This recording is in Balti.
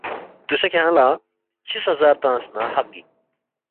دوسے کھیانگ لہ چِہ سزا تنگس نہ حق گِک؟